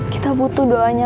kita butuh doanya mak